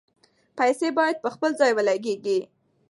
پیسې باید په خپل ځای ولګیږي.